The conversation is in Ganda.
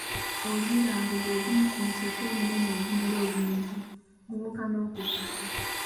Olubirango gwe gumu ku misota eminene egimira obumizi, gubuuka n’okubuuka.